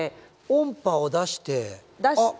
音波を出してあっ